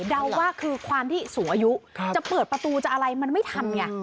เดาว่าคือความที่สูงอายุจะเปิดประตูจะอะไรมันไม่ทันไง